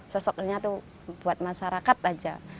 sosoknya itu buat masyarakat aja